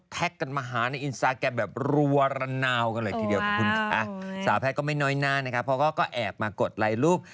เพราะก็แอบมากดไลน์รูป